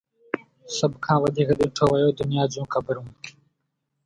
سڀ کان وڌيڪ ڏٺو ويو دنيا جون خبرون